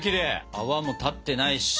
泡も立ってないし！